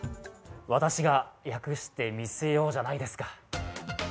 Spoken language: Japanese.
私が訳してみせようじゃないですか。